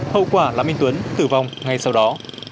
hậu quả là minh tuấn tử vong ngay sau đó